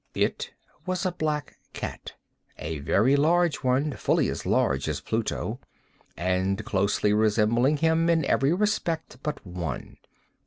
It was a black cat—a very large one—fully as large as Pluto, and closely resembling him in every respect but one.